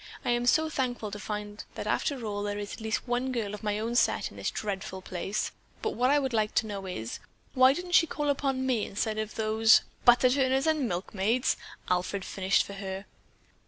I am so thankful to find that after all there is at least one girl of my own set in this dreadful place, but what I would like to know is, why didn't she call upon me instead of those——" "Butter churners and milkmaids," Alfred finished for her.